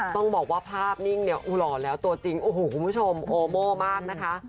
ต้องบอกว่าภาพนิ่งเนี่ยอูหล่อแล้วตัวจริงโอ้โหคุณผู้ชมโอโม่มากนะคะ